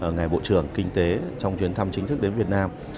ngài bộ trưởng kinh tế trong chuyến thăm chính thức đến việt nam